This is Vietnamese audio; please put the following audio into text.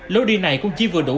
lối đi này cũng chỉ vừa đủ